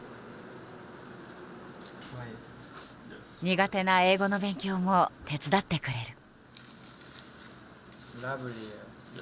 苦手な英語の勉強も手伝ってくれる。